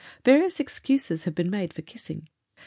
Various excuses have been made for kissing.